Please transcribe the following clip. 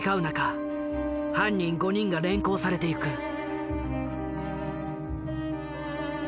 中犯人５人が連行されていく。